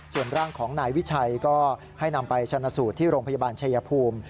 ส่วนร่างของนายวิชัยก็ให้นำไปชนะสูตรที่โรงพยาบาลชายภูมิ